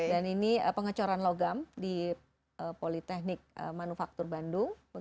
dan ini pengecoran logam di politeknik manufaktur bandung